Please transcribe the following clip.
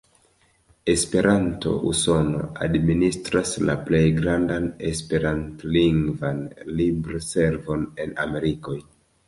Esperanto-Usono administras la plej grandan Esperant-lingvan libro-servon en Amerikoj.